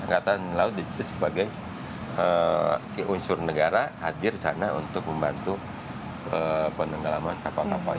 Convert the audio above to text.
angkatan laut disitu sebagai unsur negara hadir sana untuk membantu penenggelaman kapal kapal